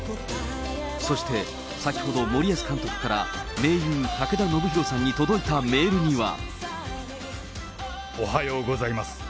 そして、先ほど、森保監督から盟友、武田修宏さんに届いたメールには。おはようございます。